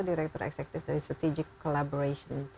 direktur eksekutif dan team collaboration